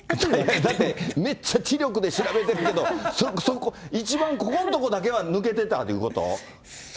だってめっちゃ知力で調べてるけど、そこ、一番、ここのところだけは抜けてたいうこと？